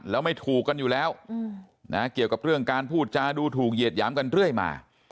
แล้วไม่ถูกกันอยู่แล้วนะเกี่ยวกับเรื่องการพูดจาดูถูกเหยียดหยามกันเรื่อยมา